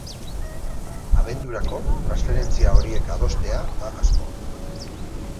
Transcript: Abendurako transferentzia horiek adostea da asmoa.